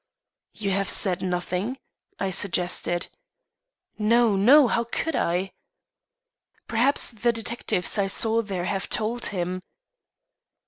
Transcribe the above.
"You have said nothing," I suggested. "No, no; how could I?" "Perhaps the detectives I saw there have told him."